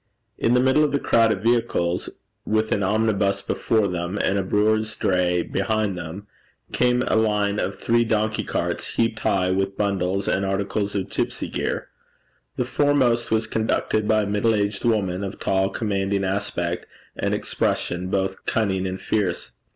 In the middle of the crowd of vehicles, with an omnibus before them, and a brewer's dray behind them, came a line of three donkey carts, heaped high with bundles and articles of gipsy gear. The foremost was conducted by a middle aged woman of tall, commanding aspect, and expression both cunning and fierce.